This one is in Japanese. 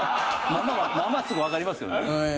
まあまあすぐ分かりますよね。